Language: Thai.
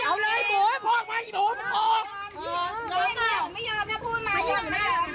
โอ้ยโอ้ยโอ้ย